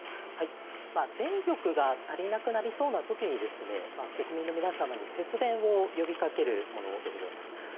電力が足りなくなりそうな時に国民の皆様に節電を呼びかけるものでございます。